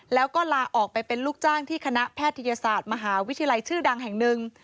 แล้วก็ลาออกไปเป็นลูกจ้างที่คณะแพทยศาสตร์มหาวิทยาลัยชื่อดังแห่งหนึ่ง